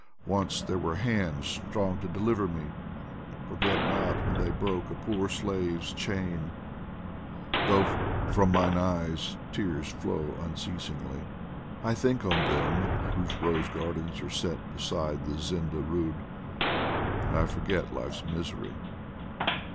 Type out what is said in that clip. Once there were hands strong to deliver me, Forget not when they broke a poor slave's chain ! Though from mine eyes tears flow unceasingly, 109 POEMS FROM THE I think on them whose rose gardens are set Beside the Zindeh Rud, and I forget Life's misery.